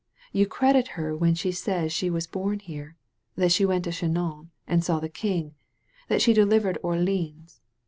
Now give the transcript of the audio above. You credit her when she says that she was bom here, that she went to Chinon and saw the king, that she delivered Or leans.